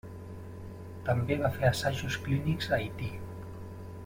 També va fer assajos clínics a Haití.